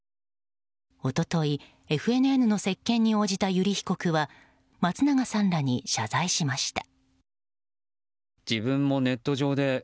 一昨日、ＦＮＮの接見に応じた油利被告は松永さんらに謝罪しました。